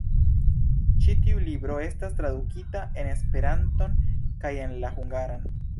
Ĉi tiu libro estas tradukita en Esperanton kaj en la hungaran.